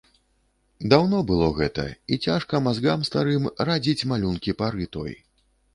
Даўно было гэта, і цяжка мазгам старым радзіць малюнкі пары той.